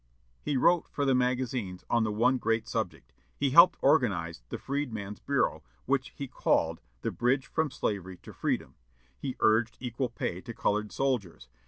He wrote for the magazines on the one great subject. He helped organize the Freedman's Bureau, which he called the "Bridge from Slavery to Freedom." He urged equal pay to colored soldiers.